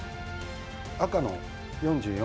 「赤の４４。